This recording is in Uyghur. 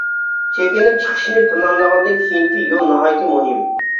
چېكىنىپ چىقىشنى پىلانلىغاندىن كېيىنكى يول ناھايىتى مۇھىم.